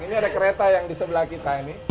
ini ada kereta yang di sebelah kita ini